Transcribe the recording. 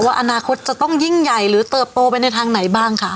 อนาคตจะต้องยิ่งใหญ่หรือเติบโตไปในทางไหนบ้างคะ